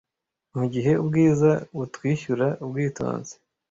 Mugihe Ubwiza butwishyura Ubwitonzi,